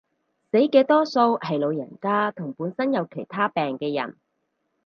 死嘅多數係老人家同本身有其他病嘅人